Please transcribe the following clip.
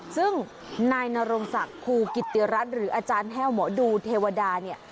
ซึ่งนายนรงศักดิ์ครูกิติรัฐหรืออาจารย์แห้วหมอดูเทวดาเนี่ย